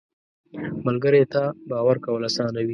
ملګری ته باور کول اسانه وي